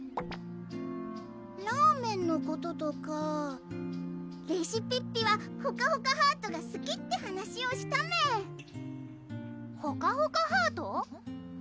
ラーメンのこととかレシピッピはほかほかハートがすきって話をしたメンほかほかハート？